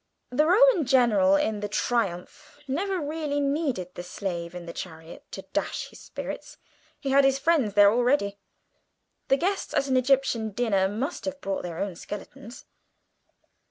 The Roman general in the triumph never really needed the slave in the chariot to dash his spirits he had his friends there already; the guests at an Egyptian dinner must have brought their own skeletons.